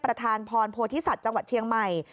ประธานพรโพธิสัตว์จังหวัดเชียงใหม่